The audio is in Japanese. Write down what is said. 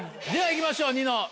では行きましょうニノ